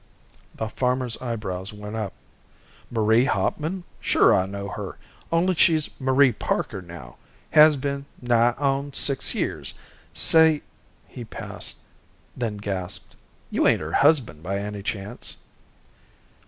The farmer's eyebrows went up. "Marie Hauptman? Sure I know her. Only she's Marie Parker now. Has been, nigh on six years. Say " He paused, then gaped. "You ain't her husband by any chance?"